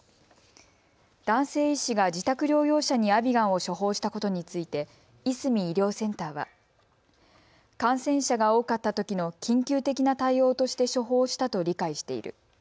男性医師が自宅療養者にアビガンを処方したことについていすみ医療センターは感染者が多かったときの緊急的な対応として処方したと理解している。